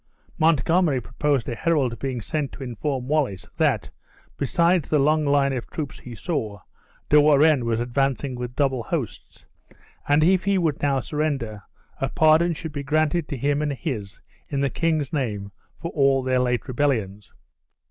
Montgomery proposed a herald being sent to inform Wallace that, besides the long line of troops he saw, De Warenne was advancing with double hosts, and if he would now surrender, a pardon should be granted to him and his, in the king's name, for all their late rebellions.